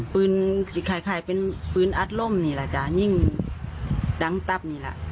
ปืนคล้ายคล้ายเป็นปืนอัดลมนี่แหละจ้ะยิ่งดังตับนี่แหละ